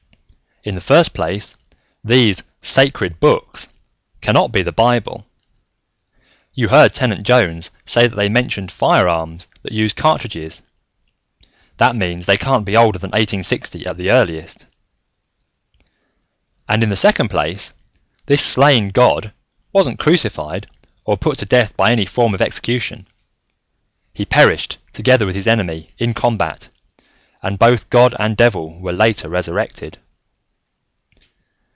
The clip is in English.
"In the first place, these Sacred Books cannot be the Bible you heard Tenant Jones say that they mentioned firearms that used cartridges. That means they can't be older than 1860 at the earliest. "And, in the second place, this slain god wasn't crucified, or put to death by any form of execution: he perished, together with his enemy, in combat, and both god and devil were later resurrected."